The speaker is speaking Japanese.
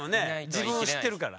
自分を知ってるから。